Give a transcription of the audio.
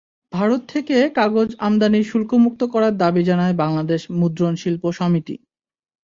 ভারত থেকে কাগজ আমদানি শুল্কমুক্ত করার দাবি জানায় বাংলাদেশ মুদ্রণ শিল্প সমিতি।